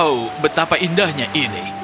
oh betapa indahnya ini